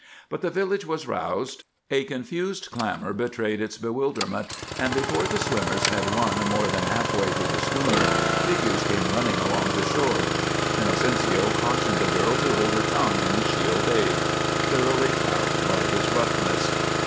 But the village was roused. A confused clamor betrayed its bewilderment, and before the swimmers had won more than half way to the schooner, figures came running along the shore. Inocencio cautioned the girl to hold her tongue, and she obeyed, thoroughly cowed by his roughness.